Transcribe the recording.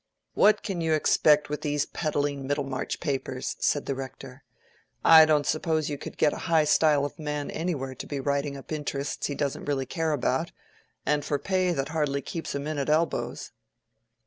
"What can you expect with these peddling Middlemarch papers?" said the Rector. "I don't suppose you could get a high style of man anywhere to be writing up interests he doesn't really care about, and for pay that hardly keeps him in at elbows."